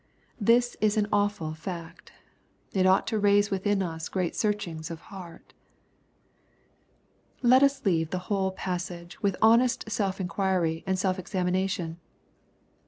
This is an awful fact. It ought to raise within us great searchings of heart. Let us leave the whole passage with honest self inquiry and self examination.